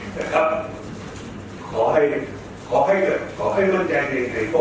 แต่ครับขอให้ขอให้ขอให้น้องกระจายชนให้พวกเรา